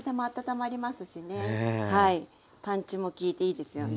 パンチも利いていいですよね。